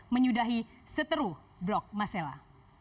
menyudahi seteru blok masela